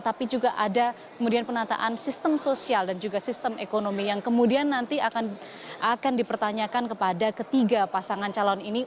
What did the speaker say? tapi juga ada kemudian penataan sistem sosial dan juga sistem ekonomi yang kemudian nanti akan dipertanyakan kepada ketiga pasangan calon ini